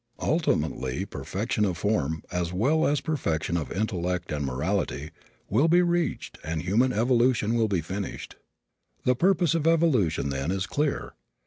Ultimately perfection of form, as well as perfection of intellect and morality, will be reached and human evolution will be finished. The purpose of evolution, then, is clear.